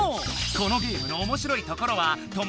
このゲームのおもしろいところはせの！